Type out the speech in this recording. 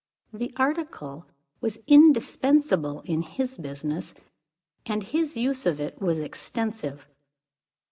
The article was indispensable in his business, and his use of it was extensive.